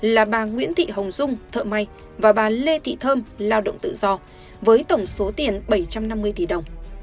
là bà nguyễn thị hồng dung thợ may và bà lê thị thơm lao động tự do với tổng số tiền bảy trăm năm mươi tỷ đồng